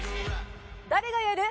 誰がやる？